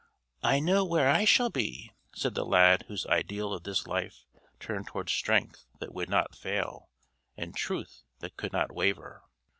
"I know where I shall be," said the lad whose ideal of this life turned toward strength that would not fail and truth that could not waver.